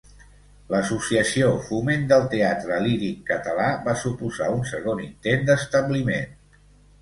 L'Associació Foment del Teatre Líric Català va suposar un segon intent d'establiment.